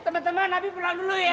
temen temen abi pulang dulu ya